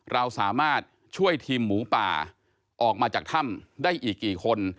เราสามารถช่วยทีมหมูป่าออกมาจากถ้ำได้อีกกี่คน